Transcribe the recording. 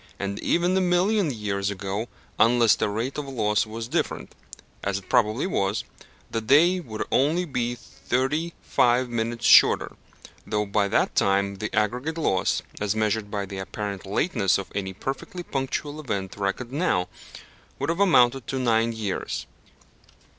And even a million years ago, unless the rate of loss was different (as it probably was), the day would only be thirty five minutes shorter, though by that time the aggregate loss, as measured by the apparent lateness of any perfectly punctual event reckoned now, would have amounted to nine years.